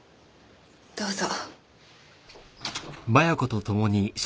どうぞ。